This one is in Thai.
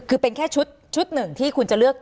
คือเป็นแค่ชุดหนึ่งที่คุณจะเลือก